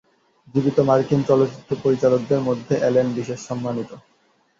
জীবিত মার্কিন চলচ্চিত্র পরিচালকদের মধ্যে অ্যালেন বিশেষ সম্মানিত।